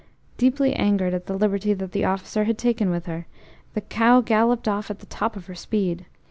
Deeply angered at the liberty that the officer had taken with her, the cow galloped off at the top of her speed.